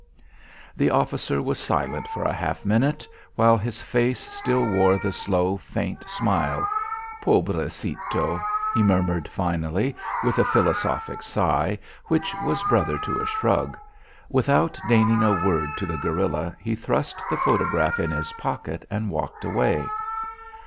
The officer was silent for a half minute, while his face still wore the slow faint smile. "Pobrecetto," he murmured finally, with a philosophic sigh, which was brother to a shrug. Without deigning a word to the guerilla he thrust the photograph in his pocket and walked away.